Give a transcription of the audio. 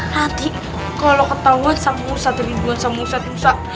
nanti kalau ketahuan sama ustadz tidwan sama ustadz musa